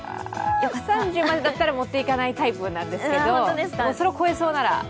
３０までだったら持っていかないタイプなんですけど、それを超えそうなら。